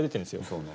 そうね。